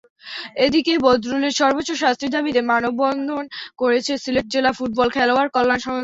এদিকে বদরুলের সর্বোচ্চ শাস্তির দাবিতে মানববন্ধন করেছে সিলেট জেলা ফুটবল খেলোয়াড় কল্যাণ সংস্থা।